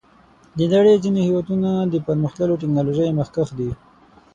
د نړۍ ځینې هېوادونه د پرمختللو ټکنالوژیو مخکښ دي.